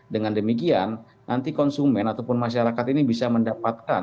dengan demikian nanti konsumen ataupun masyarakat ini bisa mendapatkan